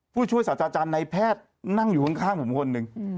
ผู้ช่วยศาสตราจารย์ในแพทย์นั่งอยู่ข้างผมคนหนึ่ง